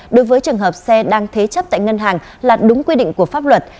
đối với trường hợp xe đang thế chấp tại ngân hàng là đúng quy định của pháp luật